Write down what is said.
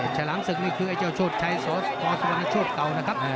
ฉลามศึกนี่คือไอ้เจ้าโชดชัยสวนชอบเก่านะครับ